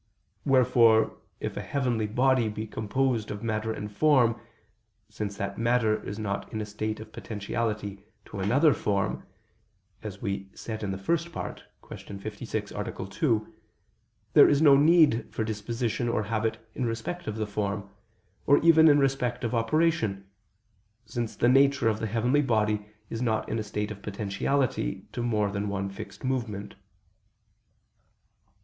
Wherefore if a heavenly body be composed of matter and form, since that matter is not in a state of potentiality to another form, as we said in the First Part (Q. 56, A. 2) there is no need for disposition or habit in respect of the form, or even in respect of operation, since the nature of the heavenly body is not in a state of potentiality to more than one fixed movement.